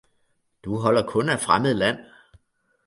Du holder kun af fremmed land!